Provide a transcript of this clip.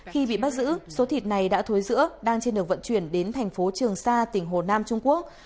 khi bị bắt giữ số thịt này đã thối giữa đang trên đường vận chuyển đến thành phố trường sa tỉnh hồ nam trung quốc